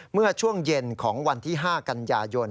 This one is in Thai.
เมื่อช่วงเย็นของวันที่๕กันยายน